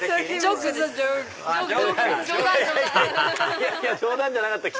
いやいや冗談じゃなかった。